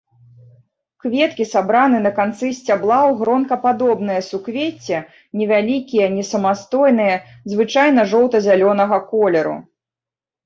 Кветкі сабраны на канцы сцябла ў гронкападобнае суквецце, невялікія, несамастойныя, звычайна жоўта-зялёнага колеру.